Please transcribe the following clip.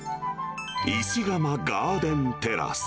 石窯ガーデンテラス。